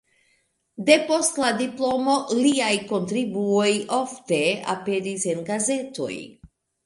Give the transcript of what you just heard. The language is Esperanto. Depost la diplomo liaj kontribuoj ofte aperis en gazetoj.